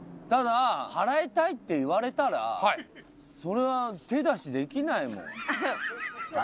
ただ払いたいって言われたらそれは手出しできないもん。